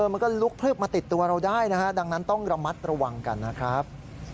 มันก็ลุกพลึบมาติดตัวเราได้นะฮะดังนั้นต้องระมัดระวังกันนะครับ